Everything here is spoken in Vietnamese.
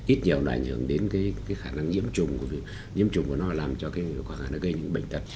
ít nhiều đoạn nhượng đến cái khả năng nhiễm trùng của nó làm cho cái khó khăn nó gây những bệnh tật